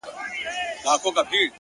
هر منزل نوی مسؤلیت درسپاري،